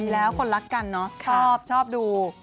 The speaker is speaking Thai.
แล้วคนรักกันเนอะชอบชอบดู